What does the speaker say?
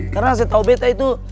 karena saya tau beta itu